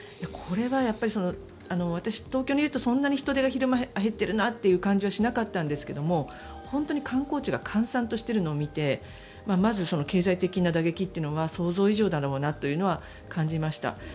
これはやっぱり、私東京にいるとそんなに昼間、人出が減ってるなという感じはしなかったんですが本当に観光地が閑散としているのを見てまず、経済的な打撃というのは想像以上だろうなというのは感じました。